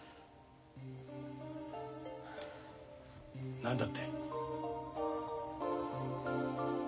何だって？